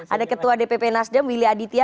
ada ketua dpp nasdem willy aditya